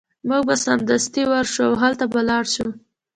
موږ به سمدستي ورشو او هلته به لاړ شو